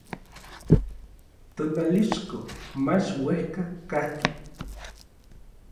Tonalixco mach uejka kajki.